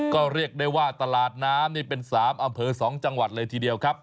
ก็เรียกได้ว่าตลาดน้ำนี่เป็น๓อำเภอ๒จังหวัดเลยทีเดียวครับ